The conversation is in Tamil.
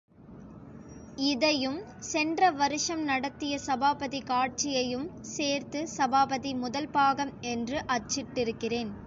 இதையும் சென்ற வருஷம் நடத்திய சபாபதி காட்சியையும் சேர்த்து சபாபதி முதல் பாகம் என்று அச்சிட்டிருக்கிறேன்.